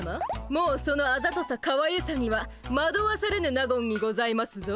もうそのあざとさかわゆさにはまどわされぬ納言にございますぞ。